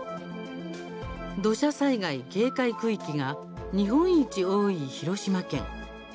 土砂災害警戒区域が日本一多い広島県。